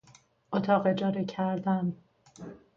اتاق اجاره کردن